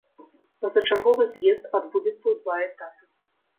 Пазачарговы з'езд адбудзецца ў два этапы.